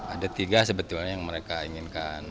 ada tiga sebetulnya yang mereka inginkan